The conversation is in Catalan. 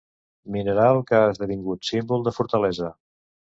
Mineral que ha esdevingut símbol de fortalesa.